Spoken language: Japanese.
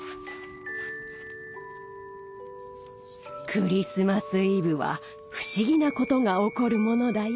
クリスマス・イブは不思議なことが起こるものだよ。